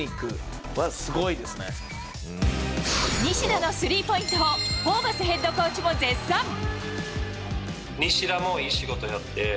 西田のスリーポイントをホーバスヘッドコーチも絶賛。